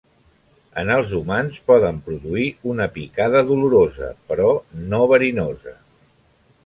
En els humans poden produir una picada dolorosa, però no verinosa.